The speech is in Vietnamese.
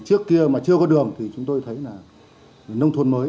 trước kia mà chưa có đường thì chúng tôi thấy là nông thôn mới